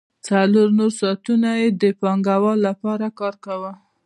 څلور نور ساعتونه یې د پانګوال لپاره کار کاوه